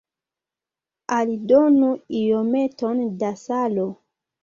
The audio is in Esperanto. Aldonu iometon da salo.